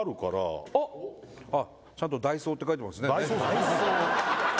伊達：ちゃんとダイソーって書いてますね。